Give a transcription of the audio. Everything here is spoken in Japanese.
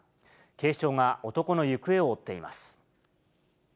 警視庁が男の行方を追っています。